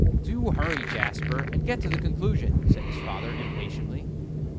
"Do hurry, Jasper, and get to the conclusion," said his father, impatiently.